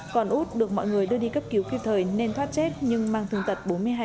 còn út được mọi người đưa đi cấp cứu kịp thời nên thoát chết nhưng mang thương tật bốn mươi hai